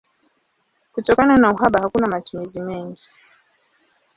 Kutokana na uhaba hakuna matumizi mengi.